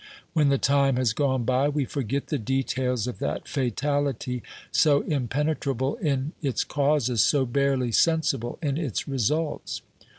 When the time has gone by, we forget the details of that fatality so impenetrable in its causes, so barely sensible in its results.